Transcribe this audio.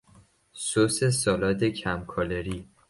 سس سالاد کم کالری